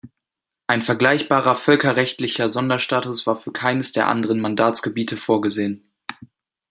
Ein vergleichbarer völkerrechtlicher Sonderstatus war für keines der anderen Mandatsgebiete vorgesehen.